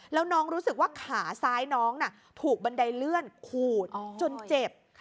แล้วน้องรู้สึกว่าขาซ้ายน้องถูกบันไดเลื่อนขูดจนเจ็บ